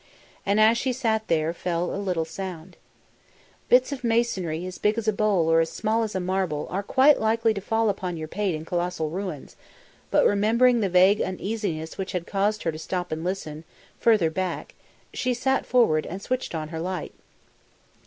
And as she sat there fell a little sound. Bits of masonry as big as a bowl or as small as a marble are quite likely to fall upon your pate in colossal ruins, but, remembering the vague uneasiness which had caused her to stop and listen, further back, she sat forward and switched on her light.